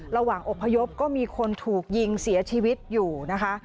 อบพยพก็มีคนถูกยิงเสียชีวิตอยู่นะคะ